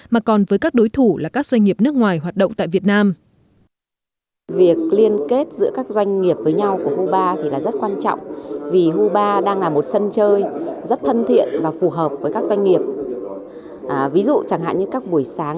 mà còn với các đối thủ là các doanh nghiệp nước ngoài hoạt động tại việt nam